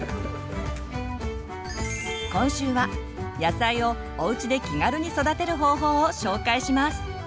今週は野菜をおうちで気軽に育てる方法を紹介します。